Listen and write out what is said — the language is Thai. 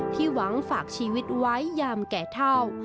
หวังฝากชีวิตไว้ยามแก่เท่า